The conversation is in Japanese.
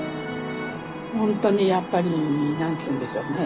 ほんとにやっぱり何て言うんでしょうね